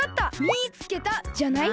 「みいつけた！」じゃない？